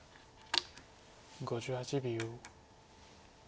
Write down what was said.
５８秒。